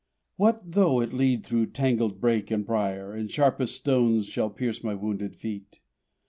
What though it lead through tangled brake and brier, And sharpest stones shall pierce my wounded feet?